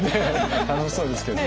楽しそうですけれども。